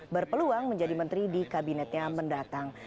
berpeluang menjadi menteri di kabinetnya mendatang